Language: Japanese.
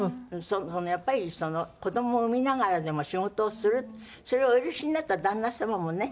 やっぱり子供を産みながらでも仕事をするそれをお許しになった旦那様もね。